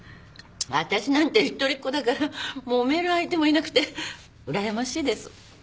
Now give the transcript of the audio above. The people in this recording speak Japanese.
私なんて一人っ子だからもめる相手もいなくてうらやましいです。